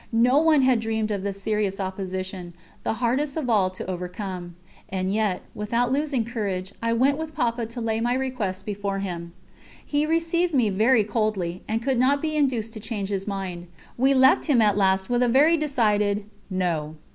No one had dreamt of this serious opposition, the hardest of all to overcome. And yet, without losing courage, I went with Papa to lay my request before him. He received me very coldly, and could not be induced to change his mind. We left him at last with a very decided "No."